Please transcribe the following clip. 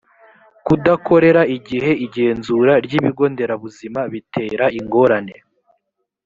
kudakorera igihe igenzura ry’ibigo nderabuzima bitera ingorane